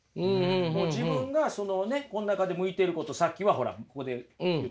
もう自分がこの中で向いてることさっきはほらここで言うと創作意欲。